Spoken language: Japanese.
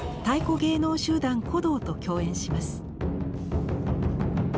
芸能集団鼓童と共演します。